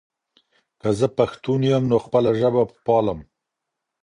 که زه پښتون یم، نو خپله ژبه به پالم.